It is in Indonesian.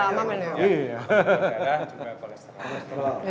gula darah juga kolesterol